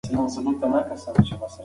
نو راځئ چې همدا اوس پیل وکړو.